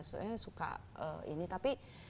soalnya suka ini tapi